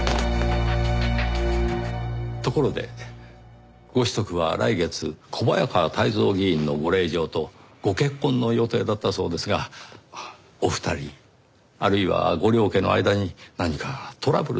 ところでご子息は来月小早川泰造議員のご令嬢とご結婚の予定だったそうですがお二人あるいはご両家の間に何かトラブルのような事は？